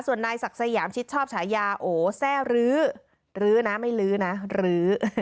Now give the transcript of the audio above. ส่วนนายศักดิ์สยามชิดชอบฉายาโอแซ่ลื้อลื้อนะไม่ลื้อนะลื้อ